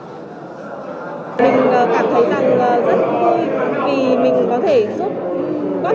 mình cảm thấy rằng rất vui vì mình có thể giúp các bạn